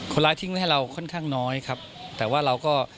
ทิ้งไว้ให้เราค่อนข้างน้อยครับแต่ว่าเราก็